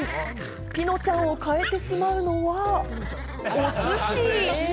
ピノちゃんを変えてしまうのは、おすし。